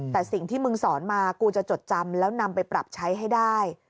แต่สิ่งที่มึงสอนมากูจะจดจำแล้วนำไปปรับใช้ให้ได้